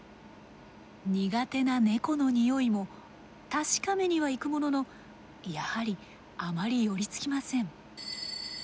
苦手なネコのにおいも確かめには行くもののやはりあまり寄りつきません。